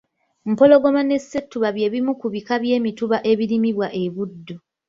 Mpologoma ne ssettuba byebimu ku bika by’emituba ebirimibwa e Buddu.